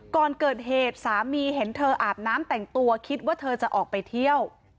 ก่อนเกิดเหตุสามีเห็นเธออาบน้ำแต่งตัวคิดว่าเธอจะออกไปเที่ยว